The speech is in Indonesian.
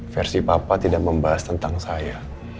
versi papa tidak membahas tentang saya